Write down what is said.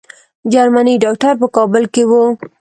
جرمني ډاکټر په کابل کې وو.